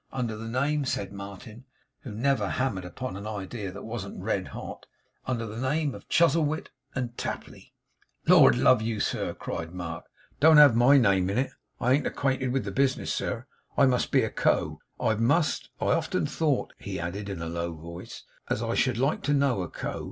Under the name,' said Martin, who never hammered upon an idea that wasn't red hot, 'under the name of Chuzzlewit and Tapley.' 'Lord love you, sir,' cried Mark, 'don't have my name in it. I ain't acquainted with the business, sir. I must be Co., I must. I've often thought,' he added, in a low voice, 'as I should like to know a Co.